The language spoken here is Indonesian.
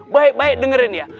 baik baik dengerin ya